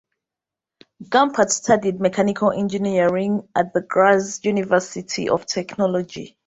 Gumpert studied mechanical engineering at the Graz University of Technology.